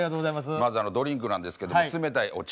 まずドリンクなんですけども冷たいお茶